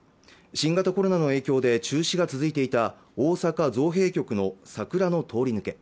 新型コロナの影響で中止が続いていた大阪・造幣局の桜の通り抜け